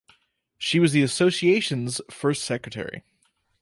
She was the Associations's first Secretary.